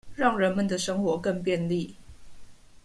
讓人們的生活更便利